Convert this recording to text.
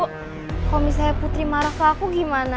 kalau misalnya putri marah ke aku gimana